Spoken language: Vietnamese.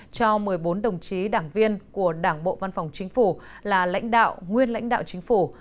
cho một mươi bốn đồng chí đảng viên của đảng bộ văn phòng chính phủ là lãnh đạo nguyên lãnh đạo chính phủ